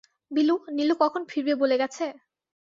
বিলু, নীলু কখন ফিরবে-বলে গেছে?